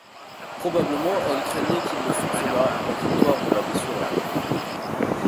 Probablement elle craignait qu'il ne soupçonnât la victoire de l'abbé sur elle.